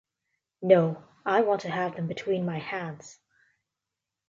No; I want to have them between my hands.